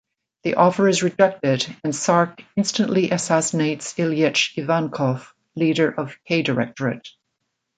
The offer is rejected, and Sark instantly assassinates Ilyich Ivankov, leader of K-Directorate.